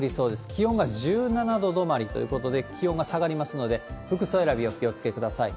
気温が１７度止まりということで、気温が下がりますので、服装選び、お気をつけください。